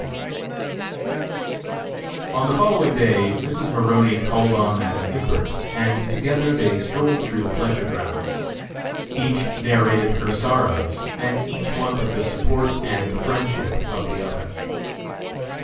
_ On the following day Mrs. Maroney called on Madam Imbert, and together they strolled through the pleasure grounds. Each narrated her sorrows, and each wanted the support and friendship of the other.